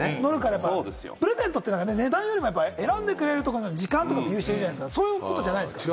プレゼントって値段よりも選んでくれるところの時間っていう人がいるじゃないですか、そういうことじゃないんですか？